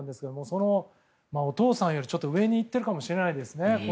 そのお父さんより上にいってるかもしれないですね。